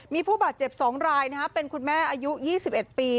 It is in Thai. มีผู้บาดเจ็บ๒รายเป็นคุณแม่อายุ๒๑ปี